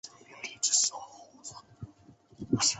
朱活认为齐国圜钱的发行是受到了秦国势力东扩的影响。